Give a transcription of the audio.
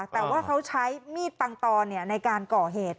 แต่ว่าเขาใช้มีดปังตอนในการก่อเหตุ